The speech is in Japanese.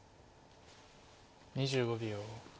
２５秒。